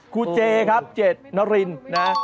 ครูเจครับเจ็ดน้อรินนะฮะ